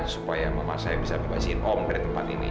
supaya memang saya bisa bebasin om dari tempat ini